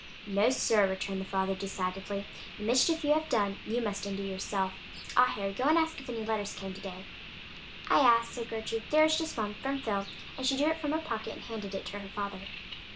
"No, sir," returned the father decidedly, "the mischief you have done you must undo yourself. Ah, Harry, go and ask if any letters came to day." "I asked," said Gertrude. "There was just one; from Phil," and she drew it from her pocket and handed it to her father.